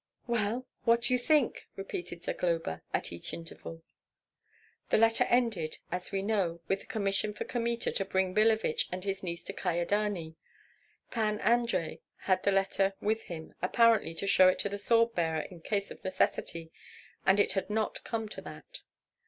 "Well, what do you think?" repeated Zagloba, at each interval. The letter ended, as we know, with the commission for Kmita to bring Billevich and his niece to Kyedani. Pan Andrei had the letter with him, apparently to show it to the sword bearer in case of necessity, and it had not come to that.